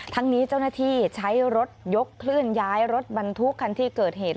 ทั้งนี้เจ้าหน้าที่ใช้รถยกเคลื่อนย้ายรถบรรทุกคันที่เกิดเหตุ